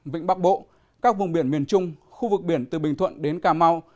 vịnh bắc bộ các vùng biển miền trung khu vực biển từ bình thuận đến cà mau